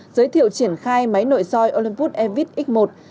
giới thiệu triển khai máy nội soi olympod evit x một